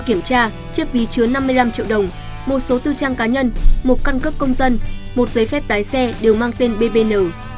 khi chứa năm mươi năm triệu đồng một số tư trang cá nhân một căn cấp công dân một giấy phép đái xe đều mang tên bbn